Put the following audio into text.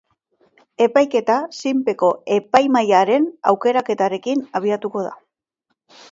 Epaiketa zinpeko epaimahaiaren aukeraketarekin abiatuko da.